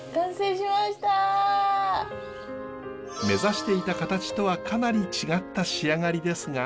目指していた形とはかなり違った仕上がりですが。